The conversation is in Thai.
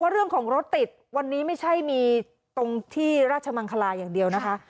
เรื่องของรถติดวันนี้ไม่ใช่มีตรงที่ราชมังคลาอย่างเดียวนะคะ